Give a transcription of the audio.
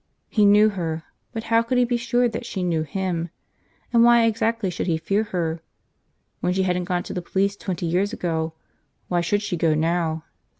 He knew her, but how could he be sure that she knew him? And why exactly should he fear her? When she hadn't gone to the police twenty years ago, why should she go now?